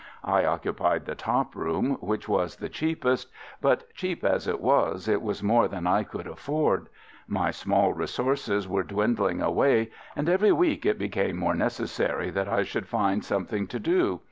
I occupied the top room, which was the cheapest, but cheap as it was it was more than I could afford. My small resources were dwindling away, and every week it became more necessary that I should find something to do.